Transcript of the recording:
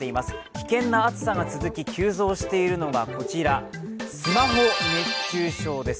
危険な暑さが続き急増しているのが、こちらスマホ熱中症です。